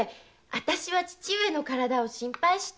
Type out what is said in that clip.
あたしは父上の体を心配して。